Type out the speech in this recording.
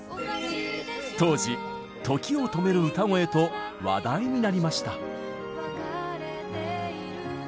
当時時を止める歌声と話題になりました。